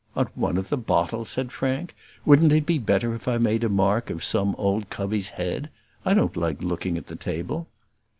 "On one of the bottles!" said Frank; "wouldn't it be better if I made a mark of some old covey's head? I don't like looking at the table."